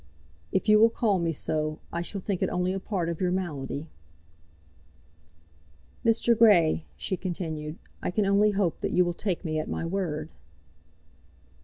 "If you will call me so, I shall think it only a part of your malady." "Mr. Grey," she continued, "I can only hope that you will take me at my word."